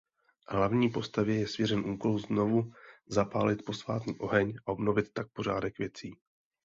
Hlavní postavě je svěřen úkol znovu zapálit posvátný oheň a obnovit tak pořádek věcí.